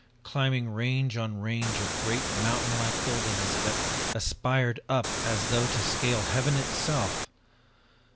Climbing range on range of great mountain like buildings that aspired up as though to scale heaven itself!